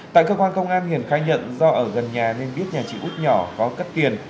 tại cơ quan công an hiền khai nhận do ở gần nhà nên biết nhà chị út nhỏ có cắt tiền